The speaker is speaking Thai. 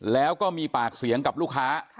แล้วก็มีปากเสียงกับลูกค้า